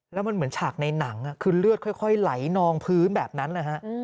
แล้วมันเหมือนฉากในหนังคือเลือดค่อยไหลนองพื้นแบบนั้นนะฮะ